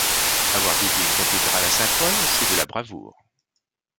Avoir dédié une cathédrale à saint Paul, c’est de la bravoure.